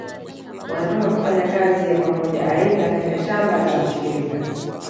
Wanatoka kufanya kazi ya Pamoja aidha katika shamba la ushirika